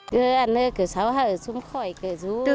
từ khi được sự hỗ trợ của nhà nước